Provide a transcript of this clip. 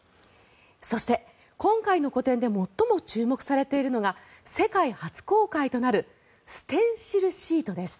そして、今回の個展で最も注目されているのが世界初公開となるステンシルシートです。